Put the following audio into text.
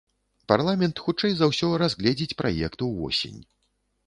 Парламент, хутчэй за ўсё, разгледзіць праект увосень.